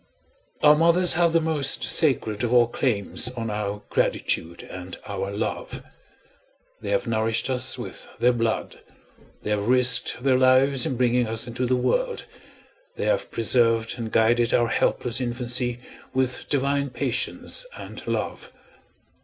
Our mothers have the most sacred of all claims on our gratitude and our love. They have nourished us with their blood; they have risked their lives in bringing us into the world; they have preserved and guided our helpless infancy with divine patience and love.